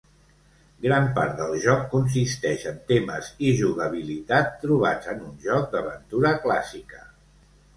Gran part del joc consisteix en temes i jugabilitat trobats en un joc d'aventura clàssica.